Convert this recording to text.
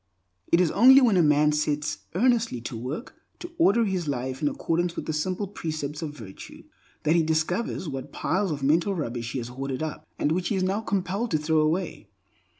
It is only when a man sets earnestly to work to order his life in accordance with the simple precepts of virtue, that he discovers what piles of mental rubbish he has hoarded up, and which he is now compelled to throw away.